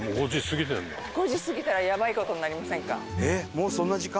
もうそんな時間？